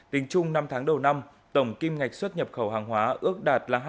tính chung năm tháng đầu năm tổng kim ngạch xuất nhập khẩu hàng hóa ước đạt là